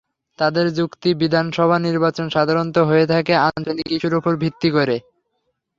তাদের যুক্তি বিধানসভা নির্বাচন সাধারণত হয়ে থাকে আঞ্চলিক ইস্যুর ওপর ভিত্তি করে।